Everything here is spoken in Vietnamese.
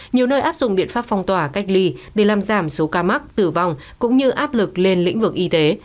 nhiều nơi áp dụng biện pháp phong tỏa cách ly để làm giảm số ca mắc tử vong cũng như áp lực lên lĩnh vực y tế